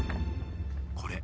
これ